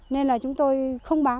nên là chúng tôi không bán